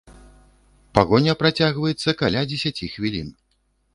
Пагоня працягваецца каля дзесяці хвілін.